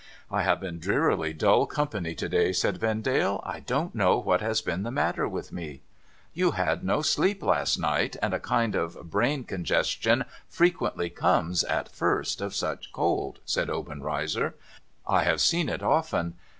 ' I have been drearily dull company to day,' said Vendale. ' I don't know^ what has been the matter with me.' ' You had no sleep last night ; and a kind of brain congestion fre quently comes, at first, of such cold,' said Obenreizer. ' I have seen it often.